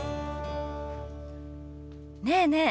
ねえねえ